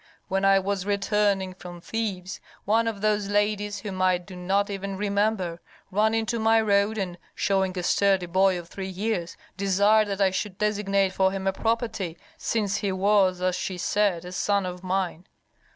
When I was returning from Thebes one of those ladies, whom I do not even remember, ran into my road and, showing a sturdy boy of three years, desired that I should designate for him a property, since he was, as she said, a son of mine.